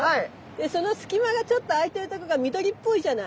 でその隙間がちょっとあいてるとこが緑っぽいじゃない。